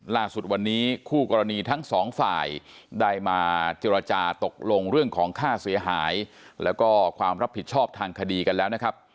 ล่าสุดวันนี้คู่กรณีทั้งสองฝ่ายได้มาเจรจาตกลงเรื่องของค่าเสียหายแล้วก็ความรับผิดชอบทางคดีกันแล้วนะครับ